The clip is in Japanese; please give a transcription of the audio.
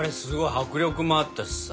迫力もあったしさ。